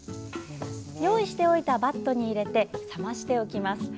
用意しておいたバットに入れて冷ましておきます。